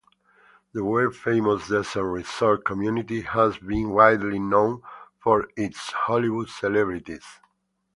The world-famous desert resort community has been widely known for its Hollywood celebrities.